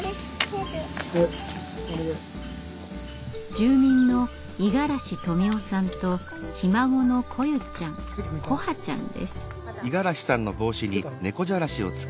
住民の五十嵐富夫さんとひ孫の來夢ちゃん來華ちゃんです。